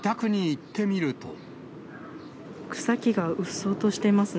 草木がうっそうとしています